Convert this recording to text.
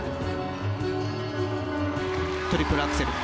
トリプルアクセル。